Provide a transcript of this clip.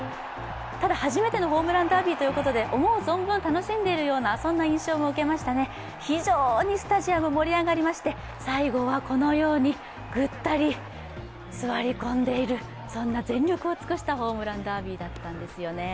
ただ、初めてのホームランダービーということで思う存分楽しんでいるようなそんな印象も受けましたね、非常にスタジアム、盛り上がりまして最後はこのように、ぐったり座り込んでいるそんな全力を尽くしたホームランダービーだったんですね。